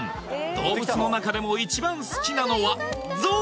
動物の中でも一番好きなのはゾウ！